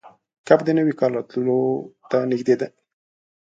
کب د نوي کال راتلو ته نږدې ده.